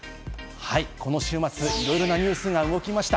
この週末、いろいろなニュースが動きました。